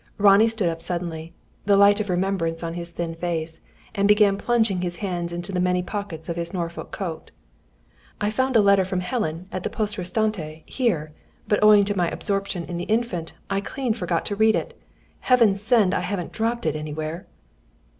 Ronnie stood up suddenly, the light of remembrance on his thin face, and began plunging his hands into the many pockets of his Norfolk coat. "I found a letter from Helen at the Poste Restante, here; but owing to my absorption in the Infant, I clean forgot to read it! Heaven send I haven't dropped it anywhere!"